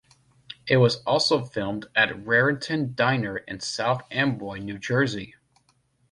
It was also filmed at the Raritan Diner in South Amboy, New Jersey.